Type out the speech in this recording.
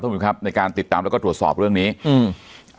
คุณผู้ชมครับในการติดตามแล้วก็ตรวจสอบเรื่องนี้อืม